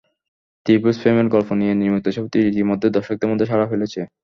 ত্রিভুজ প্রেমের গল্প নিয়ে নির্মিত ছবিটি ইতিমধ্যেই দর্শকদের মধ্যে সাড়া ফেলেছে।